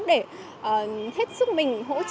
để hết sức mình hỗ trợ